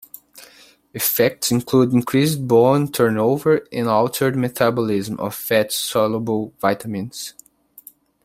Effects include increased bone turnover and altered metabolism of fat-soluble vitamins.